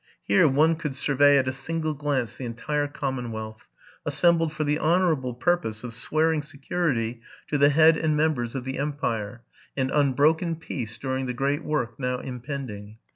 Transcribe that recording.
Here one could survey at a single glance the entire commonwealth, assembled for the honorable purpose of swearing security to the head and members of the empire, and unbroken peace during the great work now impending.